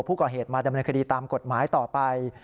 ผู้ก่อเหตุมาดำเนินคดีตามกฎหมายต่อไป